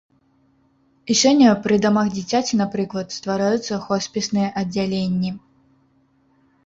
І сёння пры дамах дзіцяці, напрыклад, ствараюцца хоспісныя аддзяленні.